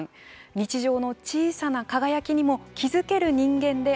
日常の小さな輝きにも気付ける人間でありたい。